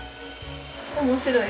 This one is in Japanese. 面白い。